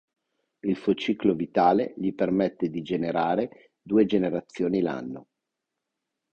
Il suo ciclo vitale gli permette di generare due generazioni l'anno.